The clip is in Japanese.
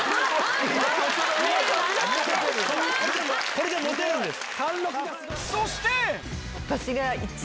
これで持てるんです。